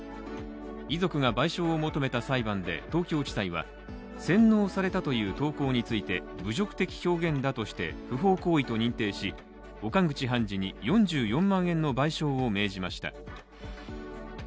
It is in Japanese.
遺族が賠償を求めた裁判で東京地裁は洗脳されたという投稿について侮辱的表現だとして不法行為と認定し、岡口判事に４４万円の賠償を命じました。